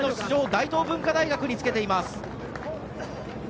大東文化大学につけています。